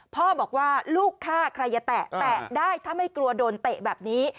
พ่อบอกว่าลูกฆ่าใครอย่าแตะแตะได้ถ้าไม่กลัวโดนเตะแบบนี้